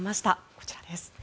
こちらです。